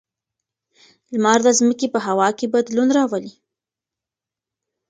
لمر د ځمکې په هوا کې بدلون راولي.